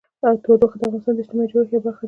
تودوخه د افغانستان د اجتماعي جوړښت یوه برخه ده.